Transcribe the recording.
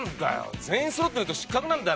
全員そろってないと失格なんだよなあ。